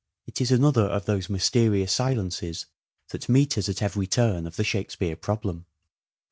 It is another of those mysterious silences that meet us at every turn of the Shakespeare problem.